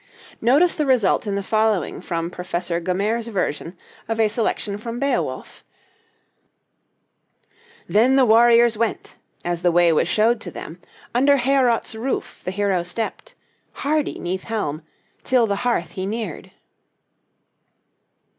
Notice the result in the following from Professor Gummere's version of as election from 'Beowulf': "Then the warriors went, as the way was showed to them, Under Heorot's roof; the hero stepped, Hardy 'neath helm, till the hearth he neared."